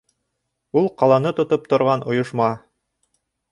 Ул — ҡаланы тотоп торған ойошма.